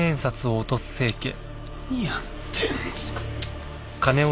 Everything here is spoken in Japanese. チッ何やってんすか。